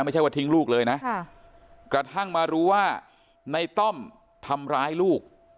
ไม่ใช่ว่าทิ้งลูกเลยนะกระทั่งมารู้ว่าในต้อมทำร้ายลูก